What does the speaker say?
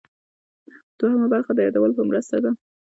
دوهمه برخه د یادولو په مرسته ده.